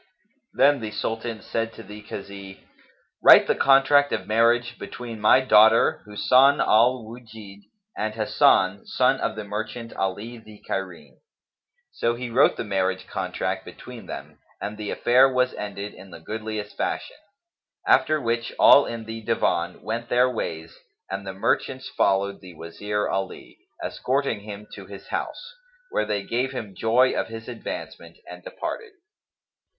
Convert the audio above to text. Then the Sultan said to the Kazi, "Write the contract of marriage between my daughter Husn al Wujdd and Hasan, son of the merchant Ali the Cairene." So he wrote the marriage contract between them, and the affair was ended in the goodliest fashion; after which all in the Divan went their ways and the merchants followed the Wazir Ali, escorting him to his house, where they gave him joy of his advancement and departed.